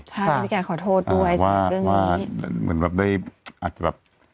ใช่พี่ไก่ขอโทษด้วยว่าเหมือนแบบได้อาจจะแบบ